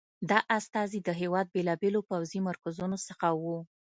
دا استازي د هېواد بېلابېلو پوځي مرکزونو څخه وو.